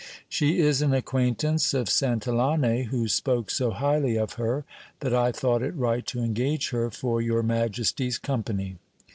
She is an acquaintance of Santillane, who spoke so highly of her, that I thought it right to engage her for your majesty's company.